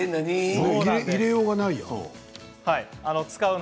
入れようがないよ。